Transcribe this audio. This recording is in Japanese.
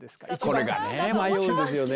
これがねえ迷うんですよね。